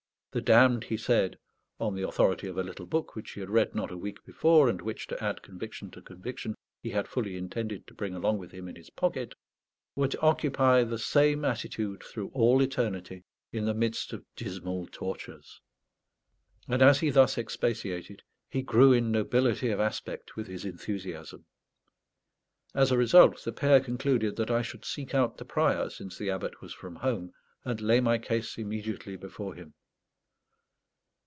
The damned, he said on the authority of a little book which he had read not a week before, and which, to add conviction to conviction, he had fully intended to bring along with him in his pocket were to occupy the same attitude through all eternity in the midst of dismal tortures. And as he thus expatiated, he grew in nobility of aspect with his enthusiasm. As a result the pair concluded that I should seek out the Prior, since the Abbot was from home, and lay my case immediately before him.